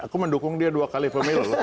aku mendukung dia dua kali pemilu